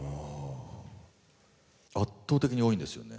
圧倒的に多いんですよね。